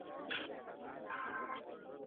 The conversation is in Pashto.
توري او فعلونه د شاعر په سبک پېژندنه کې مرسته کوي.